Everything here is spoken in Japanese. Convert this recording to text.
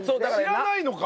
知らないのか。